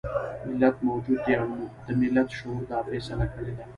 ملت موجود دی او د ملت شعور دا فيصله کړې ده.